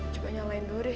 coba nyalain dulu deh